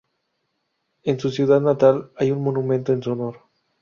En su ciudad natal hay un monumento en su honor.